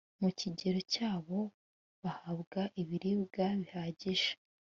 mu kigero cyabo bahabwa ibiribwa bihagije